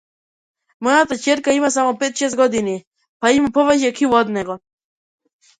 Мојата ќерка има само пет-шест години, па има повеќе кила од него.